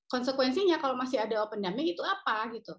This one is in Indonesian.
konsekuensinya kalau masih ada open dumping itu apa